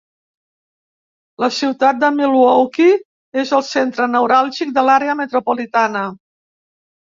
La ciutat de Milwaukee és el centre neuràlgic de l'àrea metropolitana.